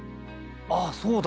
あっそうだ。